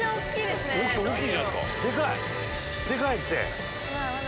でかいって！